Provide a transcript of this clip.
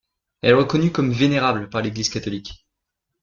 Elle est reconnue comme vénérable par l'Église catholique.